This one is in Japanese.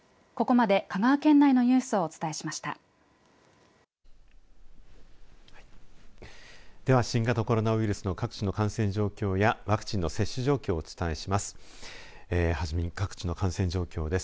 では、新型コロナウイルスの各地の感染状況やワクチンの接種状況をお伝えします。